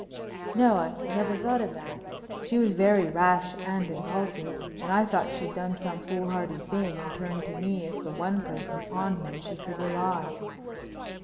"No, I never thought of that. She was very rash and impulsive and I thought she'd done some foolhardy thing and had turned to me as the one person on whom she could rely."